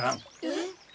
えっ？